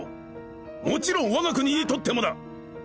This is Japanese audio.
もちろんわが国にとってもだ！